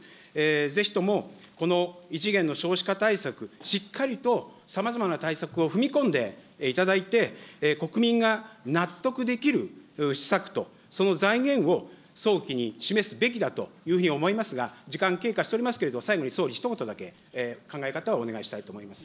ぜひともこの異次元の少子化対策、しっかりとさまざまな対策を踏み込んでいただいて、国民が納得できる施策とその財源を早期に示すべきだというふうに思いますが、時間経過しておりますけれども、最後に総理、ひと言だけ、考え方をお願いしたいと思います。